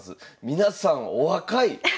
皆さんお若い！